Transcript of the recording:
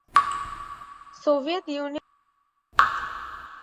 Soviet ইউনিয়নের ইতিহাস বলো।